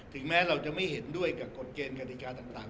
แม้เราจะไม่เห็นด้วยกับกฎเกณฑ์กฎิกาต่าง